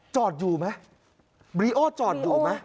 จอดอยู่ไหมบริโอจอดอยู่ไหม